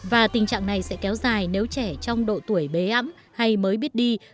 và tình trạng này sẽ kéo dài nếu trẻ trong độ tuổi bế ẩm hay mới biết đi